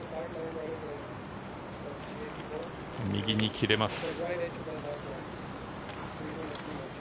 右に切れます。